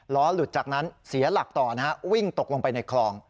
หลุดจากนั้นเสียหลักต่อนะฮะวิ่งตกลงไปในคลอง